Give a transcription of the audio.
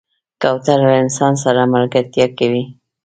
کوتره له انسان سره ملګرتیا کوي.